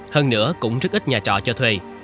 hơn nữa cũng rất ít nhà trọ cho thuê